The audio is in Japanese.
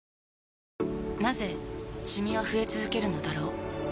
なぜシミは増え続けるのだろう